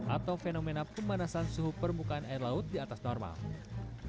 atau fenomena pemanasan suhu permukaan air laut di atas normal